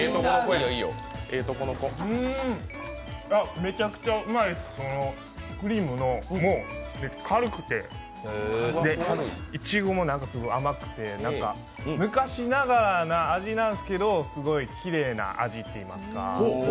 めちゃくちゃうまいです、クリームが軽くて、いちごもなんかすごい甘くて昔ながらの味なんですけどすごいきれいな味っていいますか。